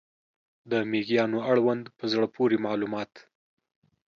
د مېږیانو اړوند په زړه پورې معلومات